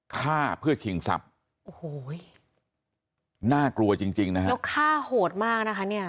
ฆ่าเพื่อชิงศพน่ากลัวจริงนะครับแล้วฆ่าโหดมากนะคะเนี่ย